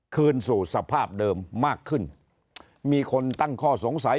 คืนสู่สภาพเดิมมากขึ้นมีคนตั้งข้อสงสัย